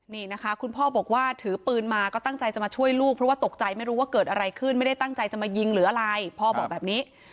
นี่นะคะคุณพ่อบอกว่าถือปืนมาก็ตั้งใจจะมาช่วยลูกเพราะว่าตกใจไม่รู้ว่าเกิดอะไรขึ้นไม่ได้ตั้งใจจะมายิงหรืออะไรพ่อบอกแบบนี้